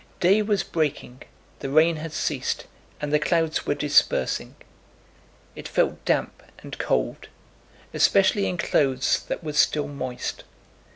Day was breaking, the rain had ceased, and the clouds were dispersing. It felt damp and cold, especially in clothes that were still moist.